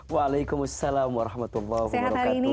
waalaikumsalam warahmatullahi wabarakatuh